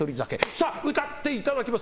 さあ、歌っていただきます。